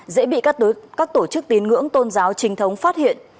dễ bị các tổ chức tín ngưỡng tôn giáo trinh thống phát hiện